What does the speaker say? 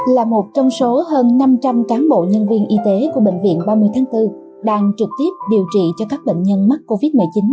là một trong số hơn năm trăm linh cán bộ nhân viên y tế của bệnh viện ba mươi tháng bốn đang trực tiếp điều trị cho các bệnh nhân mắc covid một mươi chín